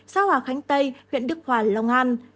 xã hòa khánh tây huyện đức hòa long an